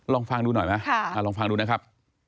ลองฟังดูหน่อยไหมลองฟังดูนะครับ